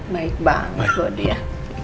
baik banget buat dia